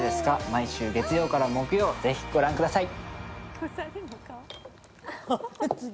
毎週月曜から木曜、ぜひご覧ください。